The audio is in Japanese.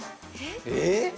えっ？